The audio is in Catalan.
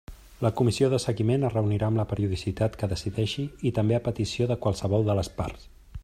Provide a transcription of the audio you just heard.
La comissió de seguiment es reunirà amb la periodicitat que decideixi i també a petició de qualsevol de les parts.